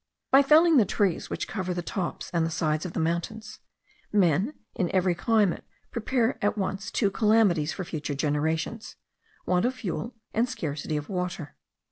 By felling the trees which cover the tops and the sides of mountains, men in every climate prepare at once two calamities for future generations; want of fuel and scarcity of water.